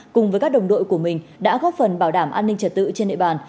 cùng với các đồng đội của mình đã góp phần bảo đảm an ninh trật tự trên địa bàn